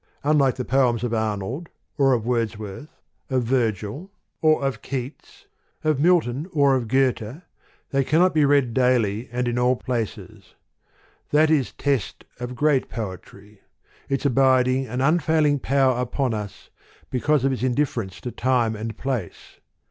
Unlike the poems of Arnold or of Wordsworth, of Virgil or THE POEMS OF MR. BRIDGES. of Keats, of Milton or of Goethe, they can not be read daily and in all places. That is test of great poetry : its abiding and un failing power upon us, because of its indif ference to time and place.